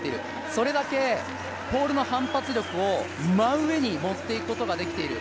それだけポールの反発力を真上に持っていくことができている。